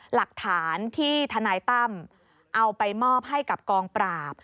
หลักฐานที่ทนายตั้มเอาไปมอบให้กับกองปราบ